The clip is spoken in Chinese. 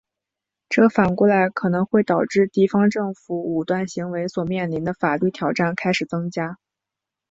这反过来可能会导致地方政府武断行为所面临的法律挑战开始增加。